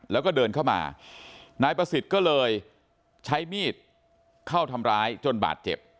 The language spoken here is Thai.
แล้วก็เดินเข้ามานายประสิทธิ์ก็เลยใช้มีดเข้าทำร้ายจนบาดเจ็บ